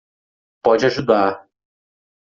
Pode ajudar